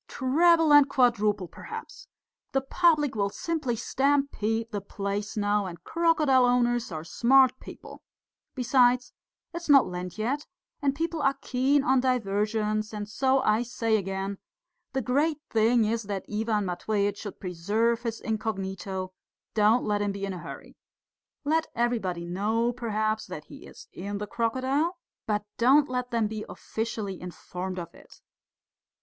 "Treble and quadruple perhaps! The public will simply stampede the place now, and crocodile owners are smart people. Besides, it's not Lent yet, and people are keen on diversions, and so I say again, the great thing is that Ivan Matveitch should preserve his incognito, don't let him be in a hurry. Let everybody know, perhaps, that he is in the crocodile, but don't let them be officially informed of it.